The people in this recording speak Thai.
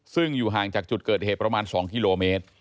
ซึ่งอยู่ห่างจากจุดเกิดเหตุประมาณ๒กิโลเมตร